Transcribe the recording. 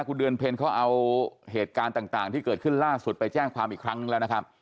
คุณเดือนเพ็ญเขาเอาเหตุการณ์ต่างที่เกิดขึ้นล่าสุดไปแจ้งความอีกครั้งแล้วนะครับ